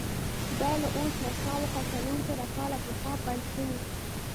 دا له اوس نه شاوخوا څلور زره کاله پخوا پیل شوی.